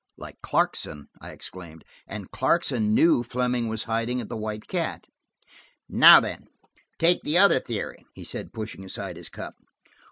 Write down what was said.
"Like Clarkson!" I exclaimed. "And Clarkson knew Fleming was hiding at the White Cat!" "Now, then, take the other theory," he said, pushing aside his cup.